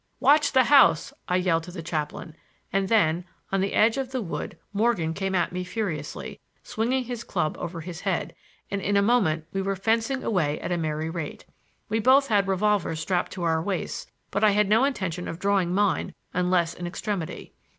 "Watch the house," I yelled to the chaplain; and then, on the edge of the wood Morgan came at me furiously, swinging his club over his head, and in a moment we were fencing away at a merry rate. We both had revolvers strapped to our waists, but I had no intention of drawing mine unless in extremity.